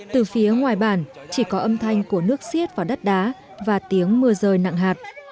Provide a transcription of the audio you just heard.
từ phía ngoài bản chỉ có âm thanh của nước xiết vào đất đá và tiếng mưa rơi nặng hạt